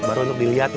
baru untuk diikutin